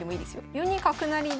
４二角成で。